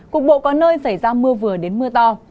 cục bộ có nơi xảy ra mưa vừa đến mưa to